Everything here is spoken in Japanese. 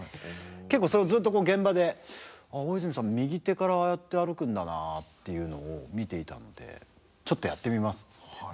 結構それをずっと現場で「ああ大泉さん右手からああやって歩くんだな」っていうのを見ていたのでちょっとやってみますっつって。